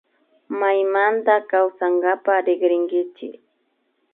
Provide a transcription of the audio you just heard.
Maymanta kawsankapak rikrinkichi